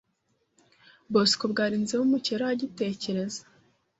Bosco bwarinze bumukeraho agitekereza